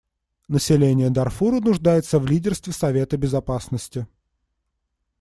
Население Дарфура нуждается в лидерстве Совета Безопасности.